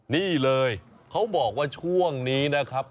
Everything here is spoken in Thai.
นี่เลยเขาบอกว่าช่วงนี้นะครับ